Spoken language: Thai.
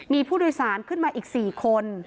มีผู้โดยสารขึ้นมาอีก๔คน